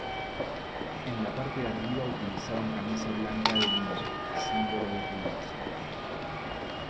En la parte de arriba utilizaban camisa blanca de lino, símbolo de opulencia.